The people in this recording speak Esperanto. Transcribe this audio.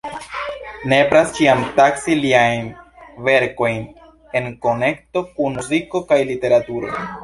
Nepras ĉiam taksi liajn verkojn en konekto kun muziko kaj literaturo.